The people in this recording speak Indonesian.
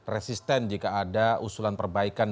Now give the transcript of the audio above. resisten jika ada usulan perbaikan